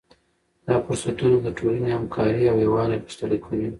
دا فرصتونه د ټولنې همکاري او یووالی غښتلی کوي.